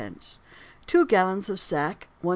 two gallons of sack, 1s.